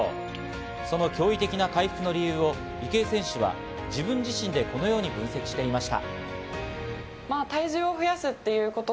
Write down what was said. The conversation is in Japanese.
その驚異的な回復の理由を池江選手は自分自身でこのように分析していました。